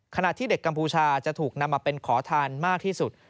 ขณะที่เด็กกัมพูชาจะถูกนำมาเป็นขอทานมากที่สุด